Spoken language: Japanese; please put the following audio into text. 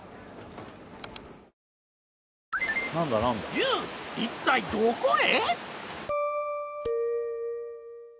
ＹＯＵいったいどこへ？